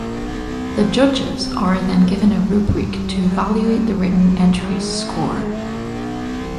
The judges are then given a rubric to evaluate the written entry's score.